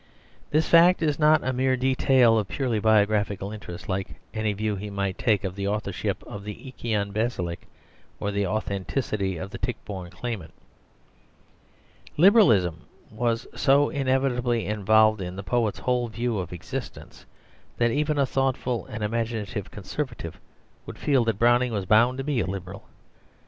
This fact is not a mere detail of purely biographical interest, like any view he might take of the authorship of the "Eikon Basilike" or the authenticity of the Tichborne claimant. Liberalism was so inevitably involved in the poet's whole view of existence, that even a thoughtful and imaginative Conservative would feel that Browning was bound to be a Liberal.